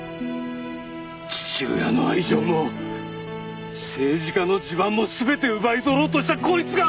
父親の愛情も政治家の地盤も全て奪い取ろうとしたこいつが！